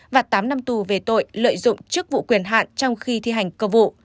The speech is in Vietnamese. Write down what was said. và tám năm tù về tội lợi dụng chức vụ quyền hạn trong khi thi hành công vụ